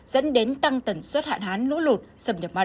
dẫn đến tăng tần suất hạn hán lũ lụt xâm nhập mặn